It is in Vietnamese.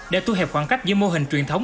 để thu hẹp khoảng cách giữa mô hình truyền thống